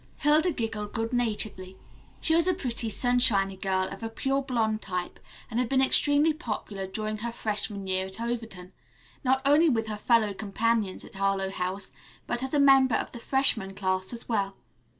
Hilda giggled good naturedly. She was a pretty, sunshiny girl of a pure blonde type, and had been extremely popular during her freshman year at Overton, not only with her fellow companions at Harlowe House, but as a member of the freshman class as well.